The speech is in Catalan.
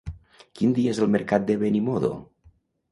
Quin dia és el mercat de Benimodo?